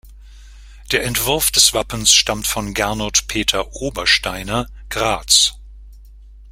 Der Entwurf des Wappens stammt von Gernot Peter Obersteiner, Graz.